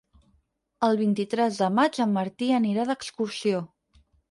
El vint-i-tres de maig en Martí anirà d'excursió.